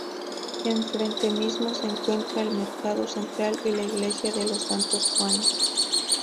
Enfrente mismo se encuentran el Mercado Central y la iglesia de los Santos Juanes.